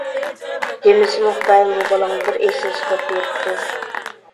دېمىسىمۇ، خۇدايىم بۇ بالامغا بىر ئېسىل سۈپەت بېرىپتۇ.